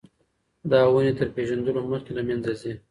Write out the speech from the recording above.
دا ونې تر پېژندلو مخکې له منځه ځي.